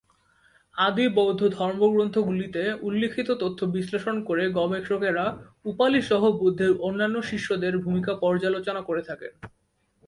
আদি বৌদ্ধ ধর্মগ্রন্থগুলিতে উল্লিখিত তথ্য বিশ্লেষণ করে গবেষকেরা উপালি-সহ বুদ্ধের অন্যান্য শিষ্যদের ভূমিকা পর্যালোচনা করে থাকেন।